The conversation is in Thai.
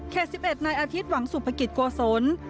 เขตสิบเอ็ดในอาทิตย์หวังสุภกิจโกศล